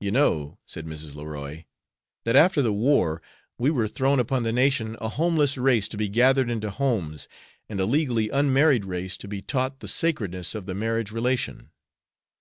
"You know," said Mrs. Leroy, "that after the war we were thrown upon the nation a homeless race to be gathered into homes, and a legally unmarried race to be taught the sacredness of the marriage relation.